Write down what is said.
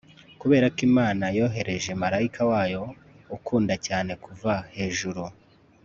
kuberako imana yohereje marayika wayo ukunda cyane kuva hejuru